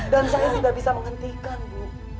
dan saya tidak bisa menghentikanmu